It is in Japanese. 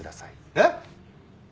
えっ？